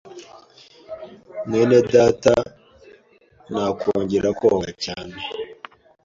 mwene data ntakongera koga cyane.